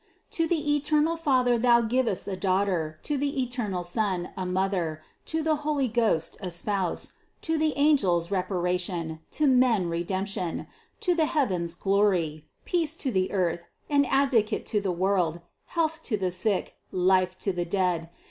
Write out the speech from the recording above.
To the eternal Father Thou givest a Daughter, to the eternal Son, a Mother ; to the Holy Ghost, a Spouse ; to the angels, rep aration; to men, redemption; to the heavens, glory; peace to the earth; an advocate to the world; health to the sick, life to the dead.